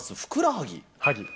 はぎ？